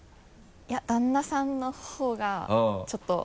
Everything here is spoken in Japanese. いや旦那さんのほうがちょっと。